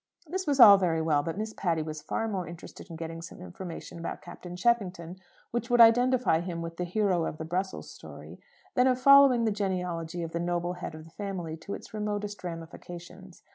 This was all very well; but Miss Patty was far more interested in getting some information about Captain Cheffington which would identify him with the hero of the Brussels story, than of following the genealogy of the noble head of the family into its remotest ramifications.